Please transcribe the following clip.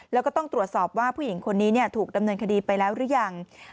แล้วก็ต้องตรวจสอบว่าผู้หญิงคนนี้ถูกดำเนินคดีไปแล้วหรือยัง